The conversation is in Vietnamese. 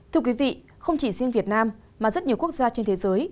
thưa quý vị không chỉ riêng việt nam mà rất nhiều quốc gia trên thế giới